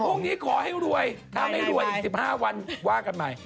ขอให้รวยถ้าไม่รวยอีก๑๕วันว่ากันใหม่